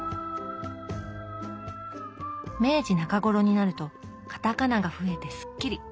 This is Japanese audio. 明治中頃になるとカタカナが増えてスッキリ。